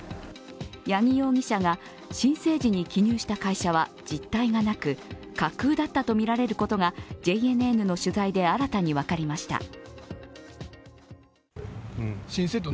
矢木容疑者が申請時に記入した会社は実体がなく架空だったとみられることがＪＮＮの取材で新たに分かりました。